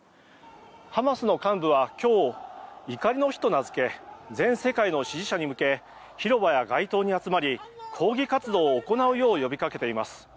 ハマスの幹部は今日を怒りの日と名付け全世界の支持者に向け広場や街頭に集まり抗議活動を行うよう呼びかけています。